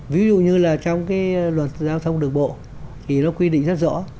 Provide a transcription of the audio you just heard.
ví dụ như là trong cái luật giao thông đường bộ thì nó quy định rất rõ